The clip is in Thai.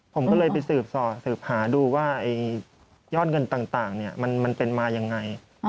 ผมก็เลยไปสืบหาดูว่ายอดเงินต่างมันเป็นมายังไง